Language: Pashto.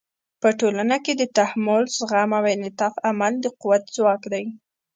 په ټولنو کې د تحمل، زغم او انعطاف عمل د قوت ځواک دی.